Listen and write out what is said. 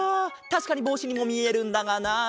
たしかにぼうしにもみえるんだがなあ。